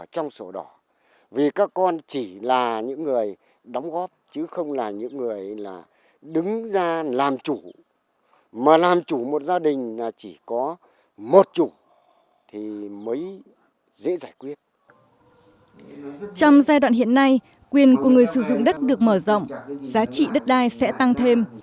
trong giai đoạn hiện nay quyền của người sử dụng đất được mở rộng giá trị đất đai sẽ tăng thêm